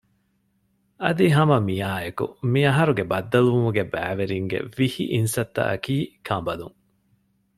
އަދި ހަމަ މިއާއެކު މި އަހަރުގެ ބައްދަލުވުމުގެ ބައިވެރިންގެ ވިހި އިންސައްތައަކީ ކަނބަލުން